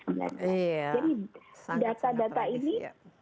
jadi data data ini